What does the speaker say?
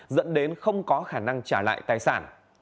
dẫn đến không có khả năng trả lại tài sản